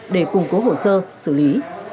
để cung cố hồ sơ xử lý